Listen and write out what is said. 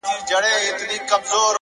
خاموش پرمختګ تر لوړ شعار اغېزمن وي’